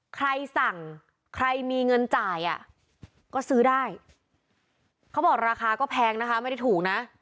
ใครสั่งใครมีเงินจ่ายอ่ะก็ซื้อได้เขาบอกราคาก็แพงนะคะไม่ได้ถูกนะ